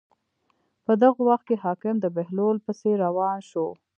په دغه وخت کې حاکم د بهلول پسې روان شو.